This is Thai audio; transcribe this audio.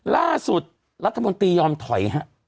ล่าสุดรัฐมนตรียอมถอยฮะ